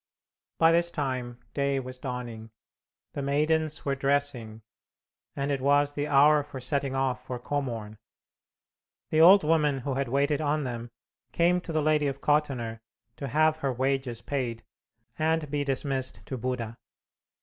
By this time day was dawning, the maidens were dressing, and it was the hour for setting off for Komorn. The old woman who had waited on them came to the Lady of Kottenner to have her wages paid, and be dismissed to Buda.